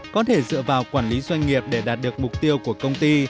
có thể dựa vào quản lý doanh nghiệp để đạt được mục tiêu của công ty